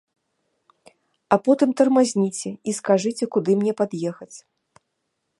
А потым тармазніце і скажыце, куды мне пад'ехаць.